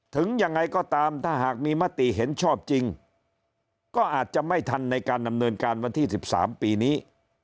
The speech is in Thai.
ถึงยังไงก็ตามถ้าหากมีมติเห็นชอบจริงก็อาจจะไม่ทันในการดำเนินการวันที่๑๓ปีนี้